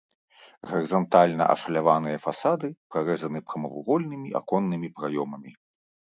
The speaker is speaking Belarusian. Гарызантальна ашаляваныя фасады прарэзаны прамавугольнымі аконнымі праёмамі.